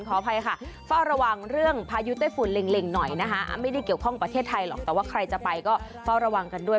ขออภัยค่ะเฝ้าระวังเรื่องพายุใต้ฝุ่นเล็งหน่อยนะคะไม่ได้เกี่ยวข้องประเทศไทยหรอกแต่ว่าใครจะไปก็เฝ้าระวังกันด้วย